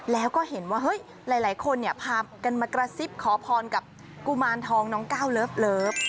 แล้วก็เห็นว่าเฮ้ยหลายคนเนี่ยพากันมากระซิบขอพรกับกุมารทองน้องก้าวเลิฟ